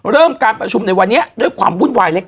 เริ่มการประชุมในวันนี้ด้วยความวุ่นวายเล็ก